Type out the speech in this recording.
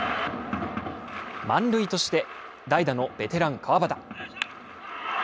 満塁として代打のベテラン川端。